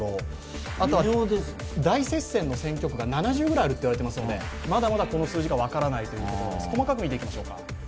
あとは大接戦の選挙区が７０ぐらいあると言われていますので、まだまだこの数字が分からないというところです。